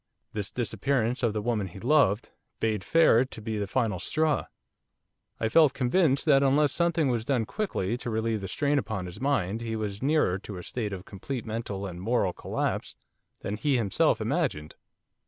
This disappearance of the woman he loved bade fair to be the final straw. I felt convinced that unless something was done quickly to relieve the strain upon his mind he was nearer to a state of complete mental and moral collapse than he himself imagined.